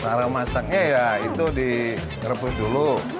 cara masaknya ya itu direbus dulu